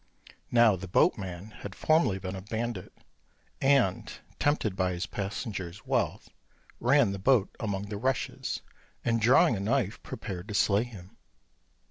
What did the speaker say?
Now the boatman had formerly been a bandit; and, tempted by his passenger's wealth, ran the boat among the rushes, and, drawing a knife, prepared to slay him.